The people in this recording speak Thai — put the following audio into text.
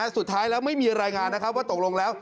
สุดท้ายแล้วไม่มีรายงานนะครับว่าตกลงแล้ว